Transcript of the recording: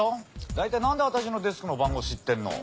だいたいなんで私のデスクの番号知ってんの？